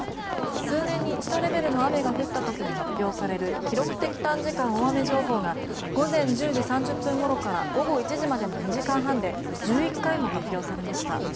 数年に一度レベルの雨が降った時に発表される記録的短時間大雨情報が午前１０時３０分ごろから午後１時までの２時間半で１１回も発表されました。